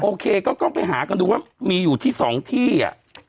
โอเคก็ต้องไปหากันดูว่ามีอยู่ที่๒ที่อ่ะ